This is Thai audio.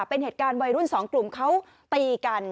เป็นเหตุการณ์วัยรุ่นสองกลุ่มเขาตีกัน